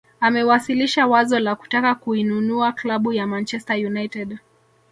Amewasilisha wazo la kutaka kuinunua klabu ya Manchester United